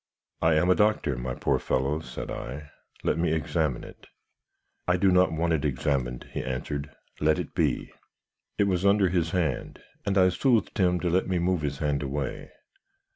"'I am a doctor, my poor fellow,' said I. 'Let me examine it.' "'I do not want it examined,' he answered; 'let it be.' "It was under his hand, and I soothed him to let me move his hand away.